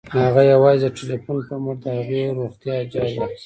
هغه یوازې د ټيليفون په مټ د هغې روغتيا جاج اخيسته